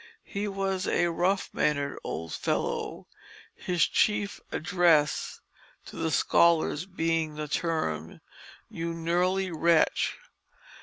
He was a rough mannered old fellow; his chief address to the scholars being the term, "You gnurly wretch."